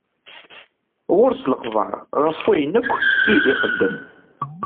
Ɣur-s lexbar ɣef wayen akk i ixeddem.